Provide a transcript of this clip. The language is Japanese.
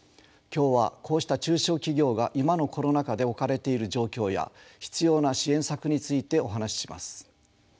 今日はこうした中小企業が今のコロナ禍で置かれている状況や必要な支援策についてお話しします。